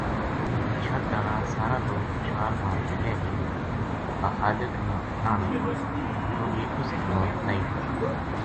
چھَت ہالا سارا لوک چھال مار کے لہہ گیا با خالق نہ لَتھو کیوں جے اس کی موت آئی وی تھی